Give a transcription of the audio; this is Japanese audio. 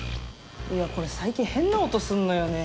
いやこれ最近変な音すんのよね。